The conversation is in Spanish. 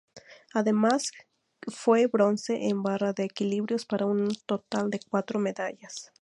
Además fue bronce en barra de equilibrios para un total de cuatro medallas.